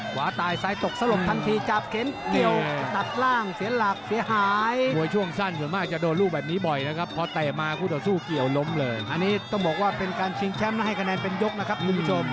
ขวาตายซ้ายตกสลบทันทีจับเข็นเกี่ยวตัดร่างเสียหลักเสียหาย